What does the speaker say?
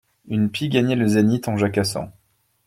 Une pie gagnait le zénith en jacassant.